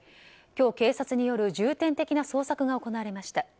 今日、警察による重点的な捜索が行われました。